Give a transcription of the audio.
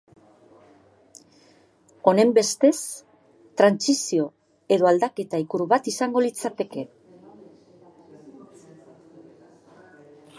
Honenbestez, trantsizio edo aldaketa ikur bat izango litzateke.